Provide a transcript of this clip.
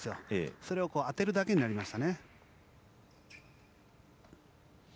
それを当てるだけになりました。